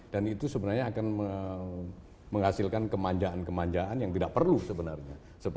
itu sebenarnya akan menghasilkan kemanjaan kemanjaan yang tidak perlu sebenarnya